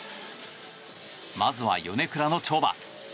まずは米倉の跳馬。